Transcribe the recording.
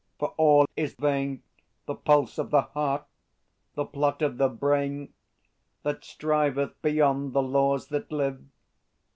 For all is vain, The pulse of the heart, the plot of the brain, That striveth beyond the laws that live.